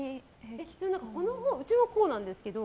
うちもこうなんですけど